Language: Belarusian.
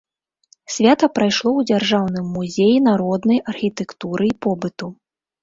Свята прайшло ў дзяржаўным музеі народнай архітэктуры і побыту.